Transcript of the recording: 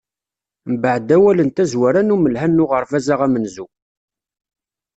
Mbeɛd awal n tazwara n unemhal n uɣerbaz-a amenzu.